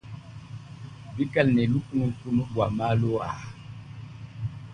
Bikale ne lukunukunu bua malu aa.